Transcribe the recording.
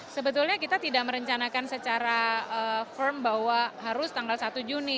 sebetulnya kita tidak merencanakan secara firm bahwa harus tanggal satu juni